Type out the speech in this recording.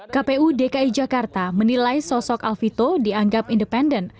kpu dki jakarta menilai sosok alvito dianggap independen